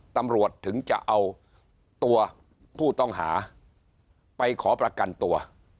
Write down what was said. ตำรวจถึงจะเอาตัวผู้ต้องหาไปขอประกันตัว